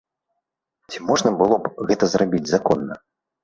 Ці можна было б гэта зрабіць законна?